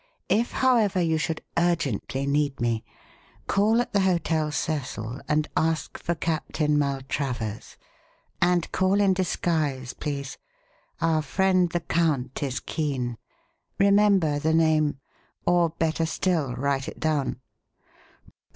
If, however, you should urgently need me, call at the Hotel Cecil and ask for Captain Maltravers and call in disguise, please; our friend the count is keen. Remember the name. Or, better still, write it down."